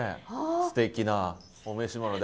すてきなお召し物で。